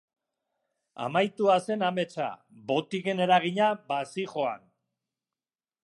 Amaitua zen ametsa, botiken eragina bazihoan.